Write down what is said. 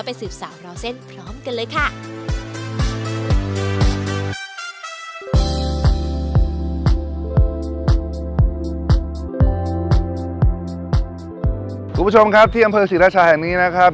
คุณผู้ชมครับที่อำเภอศรีราชาแห่งนี้นะครับ